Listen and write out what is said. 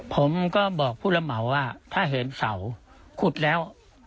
ผมก็บอกผู้ระเหมาว่าถ้าเห็นเสาขุดแล้ว